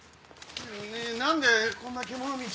ねえなんでこんな獣道。